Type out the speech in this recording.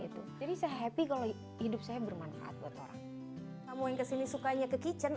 itu jadi saya happy kalau hidup saya bermanfaat buat orang kamu yang kesini sukanya ke kitchen